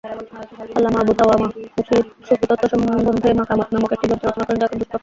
আল্লামা আবুতাওয়ামা সুফিতত্ত্ব সম্বদ্ধে মকামাত নামক একটি গ্রন্থ রচনা করেন, যা এখন দুষ্প্রাপ্য।